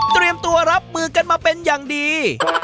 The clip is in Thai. เตรียมตัวรับมือกันมาเป็นอย่างดี